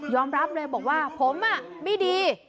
ยอมรับเลยบอกว่าผมอ่ะไม่ดี